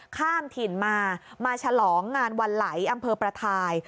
ข้ามถิ่นมามาฉลองงานวันไหลอำเภอประทาย